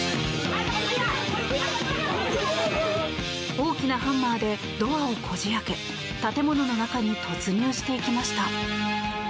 大きなハンマーでドアをこじ開け建物の中に突入していきました。